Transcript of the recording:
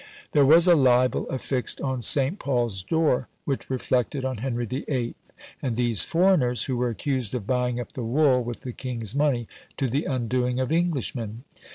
There was a libel affixed on St. Paul's door, which reflected on Henry VIII. and these foreigners, who were accused of buying up the wool with the king's money, to the undoing of Englishmen.